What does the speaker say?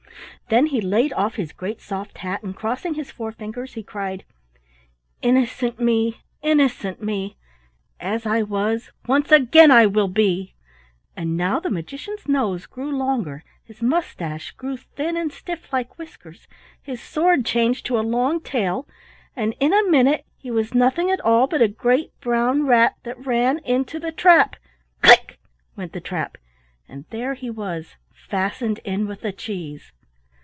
Then he laid of his great soft hat, and crossing his forefingers he cried: "Innocent me! Innocent me! As I was once again I will be." And now the magician's nose grew longer, his mustache grew thin and stiff like whiskers, his sword changed to a long tail, and in a minute he was nothing at all but a great brown rat that ran into the trap. "Click!" went the trap, and there he was fastened in with the cheese.